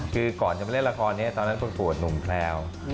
คือก่อนจะมาเล่นละครเนี่ยตอนนั้นปวดหนุ่มแพรว